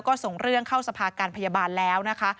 ก็ส่งเรื่องเข้าสภาการพยาบาลแล้วนะคะ